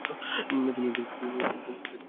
তুমি আমাদেরই একজন।